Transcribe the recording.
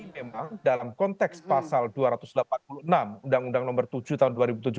memang dalam konteks pasal dua ratus delapan puluh enam undang undang nomor tujuh tahun dua ribu tujuh belas